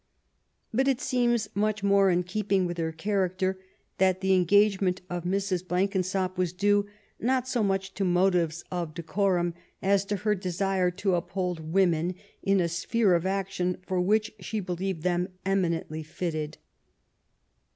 '' But it seems much more in keeping with her charac ter that the engagement of Mrs. Blenkinsop was due, not so much to motives of decorum as to her desire , to uphold women in a sphere of action for which she believed them eminently fitted.